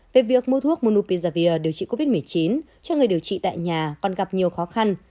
về việc mua thuốc munu pizavir điều trị covid một mươi chín cho người điều trị tại nhà còn gặp nhiều khó khăn